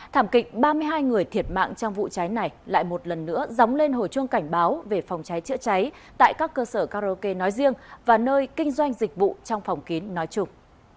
thảm kịch ba mươi hai người thiệt mạng trong vụ cháy này lại một lần nữa dóng lên hồi chuông cảnh báo về phòng cháy chữa cháy tại các cơ sở karaoke nói riêng và nơi kinh doanh dịch vụ trong phòng kín nói chung